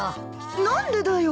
何でだよ？